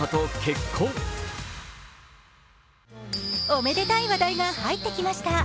おめでたい話題が入ってきました。